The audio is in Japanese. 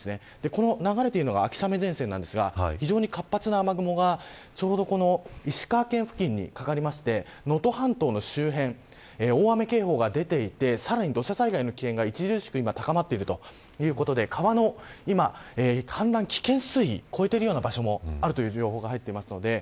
この流れは秋雨前線なんですが非常に活発な雨雲がちょうど石川県付近にかかりまして能登半島の周辺大雨警報が出ていてさらに土砂災害の危険が著しく高まっているということで川の氾濫危険水位を超えてる場所もあるという情報が入っています。